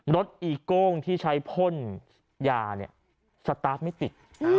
อีโก้งที่ใช้พ่นยาเนี่ยสตาร์ทไม่ติด